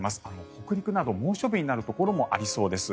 北陸など猛暑日になるところもありそうです。